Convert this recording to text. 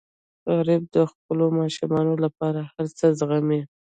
غریب د خپلو ماشومانو لپاره هر څه زغمي